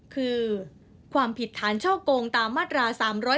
คือความผิดฐานช่อกงตามมาตรา๓๗